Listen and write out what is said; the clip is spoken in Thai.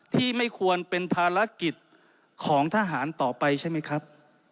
ไม่ควรเป็นภารกิจของทหารต่อไปใช่ไหมครับ